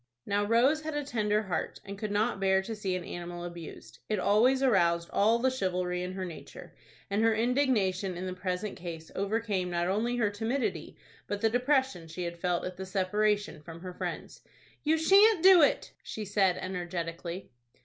Now Rose had a tender heart, and could not bear to see an animal abused. It always aroused all the chivalry in her nature, and her indignation in the present case overcame not only her timidity, but the depression she had felt at the separation from her friends. "You shan't do it," she said, energetically.